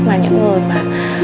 mà những người mà